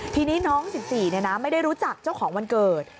ทีนี้น้อง๑๔ไม่ได้รู้จักเจ้าของวันเกิด